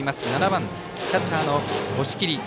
７番キャッチャーの押切。